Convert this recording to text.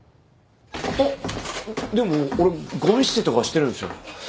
あっでも俺ごみ捨てとかはしてるんすよ。